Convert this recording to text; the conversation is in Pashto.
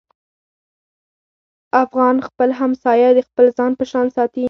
افغان خپل همسایه د خپل ځان په شان ساتي.